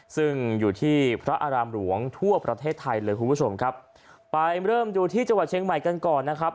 ซึ่งอยู่ที่พระอารามหลวงทั่วประเทศไทยเลยคุณผู้ชมครับไปเริ่มดูที่จังหวัดเชียงใหม่กันก่อนนะครับ